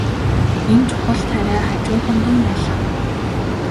Энэ чухал тариа хажууханд нь байлаа.